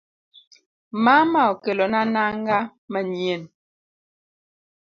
Mama okelona nang'a manyien